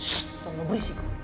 shhh jangan berisik